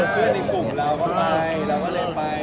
เพื่อนในกลุ่มเราก็ไปเราก็เลยไป